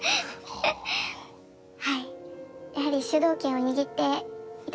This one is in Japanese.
はい。